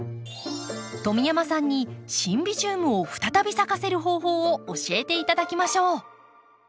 富山さんにシンビジウムを再び咲かせる方法を教えて頂きましょう。